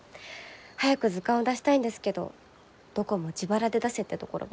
早く図鑑を出したいんですけどどこも自腹で出せってところばかりで。